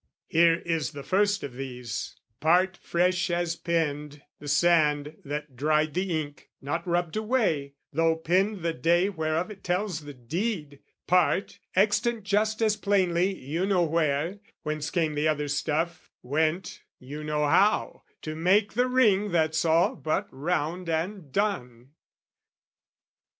Here is the first of these, part fresh as penned, The sand, that dried the ink, not rubbed away, Though penned the day whereof it tells the deed: Part extant just as plainly, you know where, Whence came the other stuff, went, you know how, To make the ring that's all but round and done.